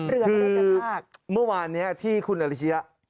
เรือไม่ได้กระชากคือเมื่อวานนี้ที่คุณอาชิริยะ